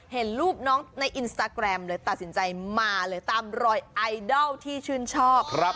เห็นรูปน้องในอินสตาแกรมเลยตัดสินใจมาเลยตามรอยไอดอลที่ชื่นชอบ